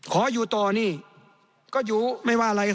ขออยู่ต่อนี่ก็อยู่ไม่ว่าอะไร